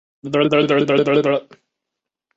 同时寻找到的炸弹将其作为废金属再利用。